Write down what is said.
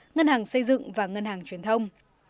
ngân hàng xây dựng và ngân hàng truyền thông